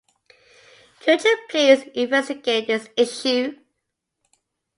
Could you please investigate this issue?